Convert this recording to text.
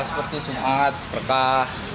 seperti jumangat berkah